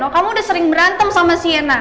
kamu udah sering berantem sama siena